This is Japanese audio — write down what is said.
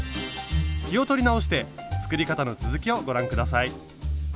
気を取り直して作り方の続きをご覧下さい。